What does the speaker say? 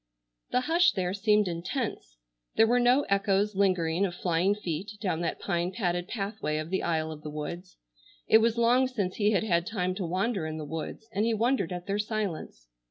The hush there seemed intense. There were no echoes lingering of flying feet down that pine padded pathway of the aisle of the woods. It was long since he had had time to wander in the woods, and he wondered at their silence.